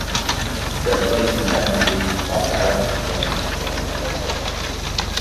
There are flights from Kathmandu to Pokhara and then to Jomsom Airport.